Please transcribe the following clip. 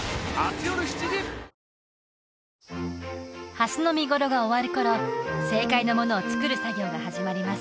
蓮の見頃が終わる頃正解のものを作る作業が始まります